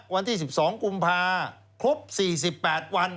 วันที่๑๒กุมภาครบ๔๘วัน